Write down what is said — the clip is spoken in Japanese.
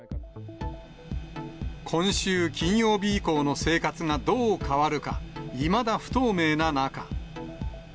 今週金曜日以降の生活がどう変わるか、いまだ不透明な中。